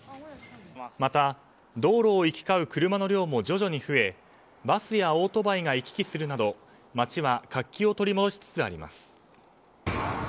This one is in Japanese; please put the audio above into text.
また、道路を行き交う車の量も徐々に増え、バスやオートバイが行き来するなど街は活気を取り戻しつつあります。